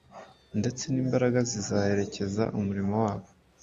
ndetse n’imbaraga zizaherekeza umurimo wabo.